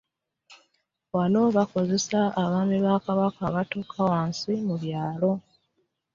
Wano bakozesa abaami ba Kabaka abatuuka wansi mu byalo